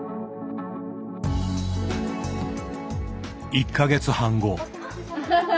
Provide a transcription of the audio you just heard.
１か月半後。